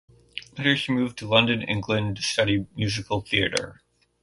Later she moved to London, England to study musical theater.